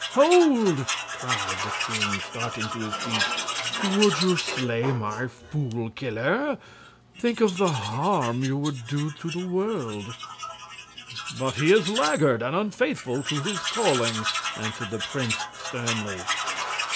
"Hold!" cried the king, starting to his feet. "Would you slay my Fool Killer? Think of the harm you would do the world!" "But he is laggard and unfaithful to his calling!" answered the prince, sternly.